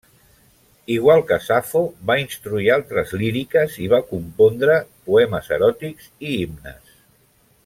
Igual que Safo, va instruir altres líriques i va compondre poemes eròtics i himnes.